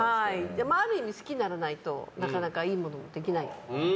ある意味、好きにならないとなかなかいいものができない。